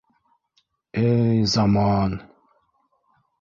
Эй зама-ан...